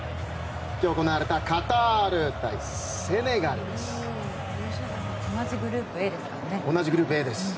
今日行われたカタール対セネガルです。